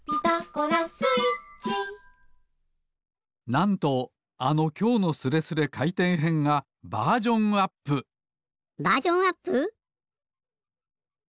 なんとあの「きょうのスレスレかいてんへん」がバージョンアップバージョンアップ！？